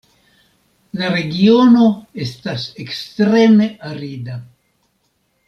La regiono estas ekstreme arida.